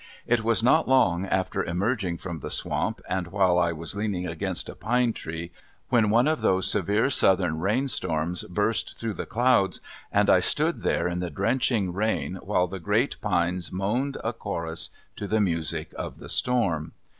It was not long after emerging from the swamp and while I was leaning against a pine tree, when one of those severe southern rain storms burst through the clouds and I stood there in the drenching rain while the great pines moaned a chorus to the music of the storm.